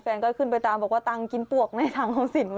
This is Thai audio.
แฟนก็ขึ้นไปตามบอกว่าตังค์กินปวกในถังของสิน